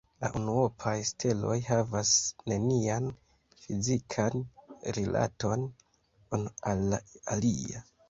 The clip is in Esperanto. La unuopaj steloj havas nenian fizikan rilaton unu al la alia.